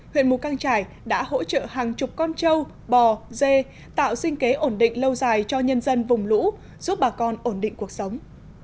huyện mù căng trải đã hỗ trợ hàng chục con trâu bò dê tạo sinh kế ổn định lâu dài cho nhân dân vùng lũ giúp bà con ổn định cuộc sống